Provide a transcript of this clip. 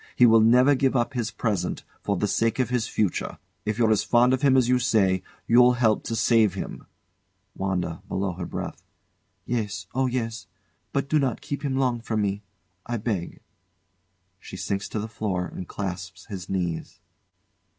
He will never give up his present for the sake of his future. If you're as fond of him as you say, you'll help to save him. WANDA. [Below her breath] Yes! Oh, yes! But do not keep him long from me I beg! [She sinks to the floor and clasps his knees.